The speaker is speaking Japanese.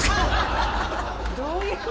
どういう？